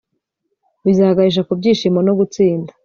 bizaganisha ku byishimo no gutsinda